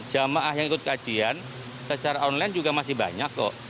jamaah yang ikut kajian secara online juga masih banyak kok